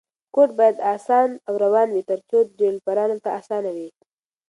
کوډ باید ساده او روان وي ترڅو ډیولپرانو ته اسانه وي.